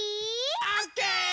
オッケー！